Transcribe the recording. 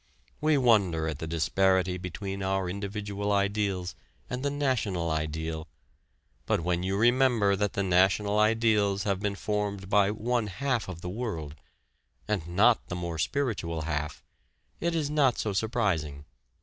We wonder at the disparity between our individual ideals and the national ideal, but when you remember that the national ideals have been formed by one half of the world and not the more spiritual half it is not so surprising.